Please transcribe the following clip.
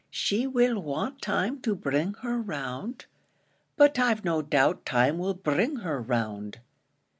She will want time to bring her round; but I've no doubt time will bring her round.